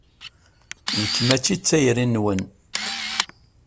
Nekk mačči d tayri-nwen.